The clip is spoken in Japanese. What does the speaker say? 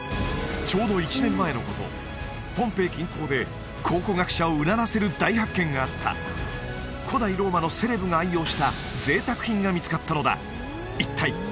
ちょうど１年前のことポンペイ近郊で考古学者をうならせる大発見があった古代ローマのセレブが愛用した贅沢品が見つかったのだ一体